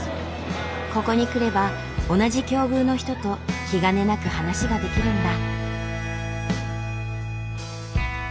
ここに来れば同じ境遇の人と気兼ねなく話ができるんだ。